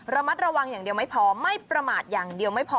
ระมัดระวังอย่างเดียวไม่พอไม่ประมาทอย่างเดียวไม่พอ